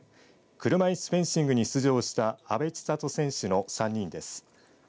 車いすフェンシングに出場した阿部知里選手の３人です。